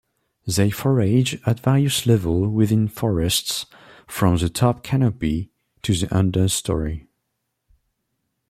They forage at various levels within forests, from the top canopy to the understorey.